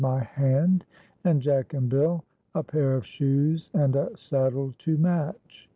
y hand, and Jack and Bill a pair of shoes and a saddle to match.